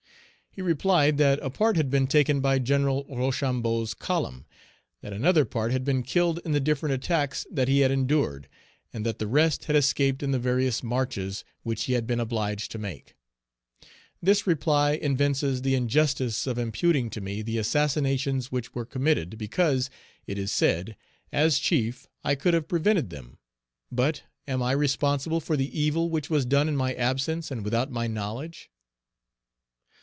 He replied that a part had been taken by Gen. Rochambeau's column, that another part had been killed in the different attacks that he had endured, and that the rest had escaped in the various marches which he had been obliged to make. This reply evinces the injustice of imputing to me the assassinations which were committed, because, it is said, as chief, I could have prevented them; but am I responsible for the evil which was done in my absence and without my knowledge?